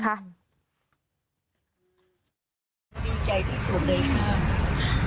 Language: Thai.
ก็ต้องการตามคุณคราว